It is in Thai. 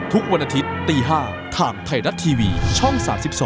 ทุกวันอาทิตย์ตี๕ทางไทยรัฐทีวีช่อง๓๒